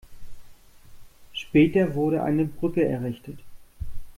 Später wurde eine Brücke errichtet.